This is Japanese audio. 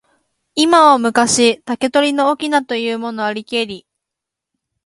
今は昔、竹取の翁というものありけり。